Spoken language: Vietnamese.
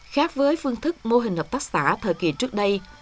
khác với phương thức mô hình hợp tác xã thời kỳ trước đây